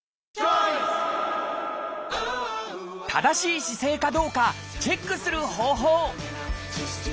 正しい姿勢かどうかチェックする方法